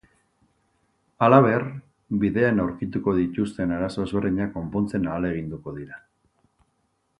Halaber, bidean aurkituko dituzten arazo ezberdinak konpontzen ahaleginduko dira.